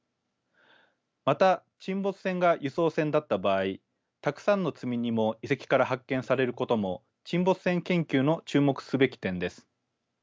また沈没船が輸送船だった場合たくさんの積み荷も遺跡から発見されることも沈没船研究の注目すべき点です。